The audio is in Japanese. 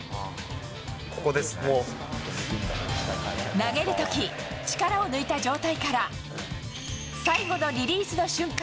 投げる時、力を抜いた状態から最後のリリースの瞬間